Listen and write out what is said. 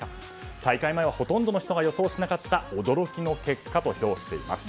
大会前はほとんどの人が予想しなかった驚きの結果と評しています。